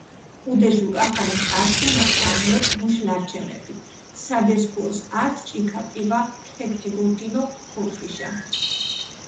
ჸუდეშ უკახალენ კარწკუმა გამიჸოთ მუშ ლარჩემეფი, საგესქუოს ართ ჭიქა პივა ქეგთიგურგინუ ხურხიშა.